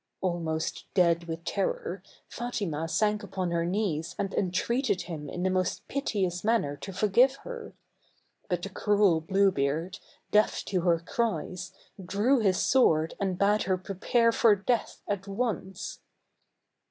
Almost dead with terror, Fatima sank upon her knees and entreated him in the most piteous manner to forgive her. But the cruel Blue Beard, deaf to her cries, drew his sword and bade her prepare for death at once.